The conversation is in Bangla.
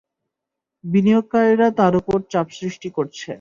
বিনিয়োগকারীরা তার উপর চাপ সৃষ্টি করছে।